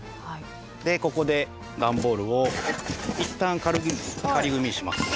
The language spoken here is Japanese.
でここで段ボールをいったん軽く仮組みします。